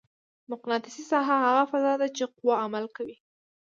مقناطیسي ساحه هغه فضا ده چې قوه عمل کوي.